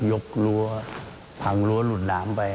กรั้วพังรั้วหลุดน้ำไป